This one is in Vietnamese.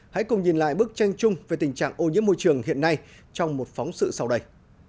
hãy cùng nhìn lại bức tranh chung về tình trạng ô nhiễm môi trường hiện nay trong một phóng sự sau đây